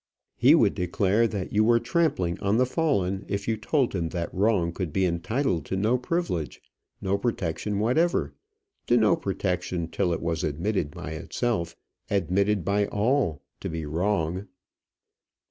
He would declare that you were trampling on the fallen if you told him that wrong could be entitled to no privilege, no protection whatever to no protection, till it was admitted by itself, admitted by all, to be wrong.